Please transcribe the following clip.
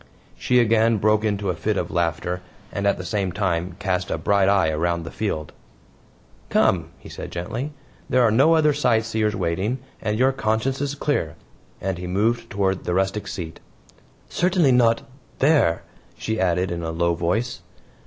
She again broke into a fit of laughter, and at the same time cast a bright eye around the field. "Come," he said gently, "there are no other sightseers waiting, and your conscience is clear," and he moved toward the rustic seat. "Certainly not there," she added in a low voice.